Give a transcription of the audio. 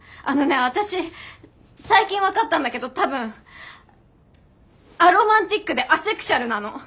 あのね私最近分かったんだけど多分アロマンティックでアセクシュアルなの。